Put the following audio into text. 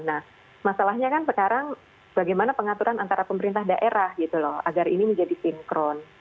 nah masalahnya kan sekarang bagaimana pengaturan antara pemerintah daerah gitu loh agar ini menjadi sinkron